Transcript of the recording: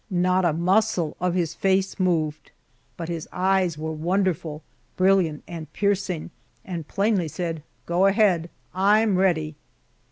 Not a muscle of his race moved, but his eyes were wonderful, brilliant, and piercing, and plainly said, "Go ahead, I'm ready!"